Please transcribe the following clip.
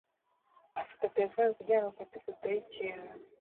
afata terefone kugirango afate ifoto yikintu